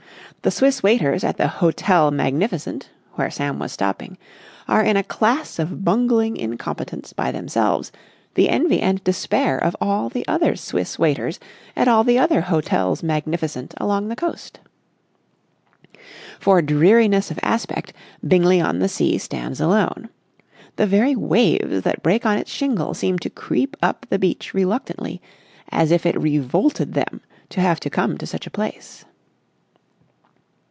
The Swiss waiters at the Hotel Magnificent, where Sam was stopping, are in a class of bungling incompetence by themselves, the envy and despair of all the other Swiss waiters at all the other Hotels Magnificent along the coast. For dreariness of aspect Bingley on the Sea stands alone. The very waves that break on its shingle seem to creep up the beach reluctantly, as if it revolted them to have to come to such a place.